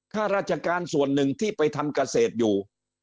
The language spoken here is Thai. ข้าราชการส่วนหนึ่งที่ไปทำเกษตรอยู่